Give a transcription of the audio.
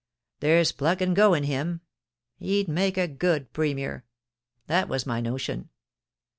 There's pluck and go in him. He'd make a good Premier. That was my notion.